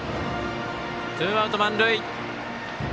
ツーアウト、満塁。